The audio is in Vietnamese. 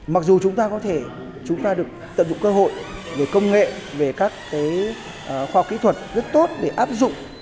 mặc dù chúng ta có thể chúng ta được tận dụng cơ hội về công nghệ về các khoa kỹ thuật rất tốt để áp dụng